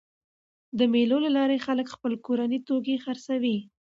د مېلو له لاري خلک خپل کورني توکي خرڅوي.